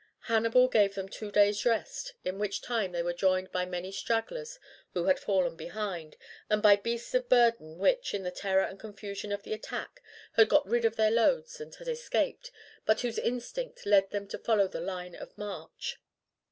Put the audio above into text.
Hannibal gave them two days' rest, in which time they were joined by many stragglers who had fallen behind, and by beasts of burden which, in the terror and confusion of the attack, had got rid of their loads and had escaped, but whose instinct led them to follow the line of march.